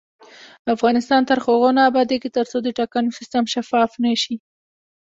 افغانستان تر هغو نه ابادیږي، ترڅو د ټاکنو سیستم شفاف نشي.